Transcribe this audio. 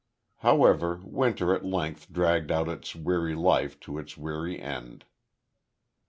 However, winter at length dragged out its weary life to its weary end.